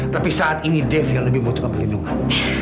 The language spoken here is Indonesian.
tapi saat ini dev yang lebih butuhkan perlindungan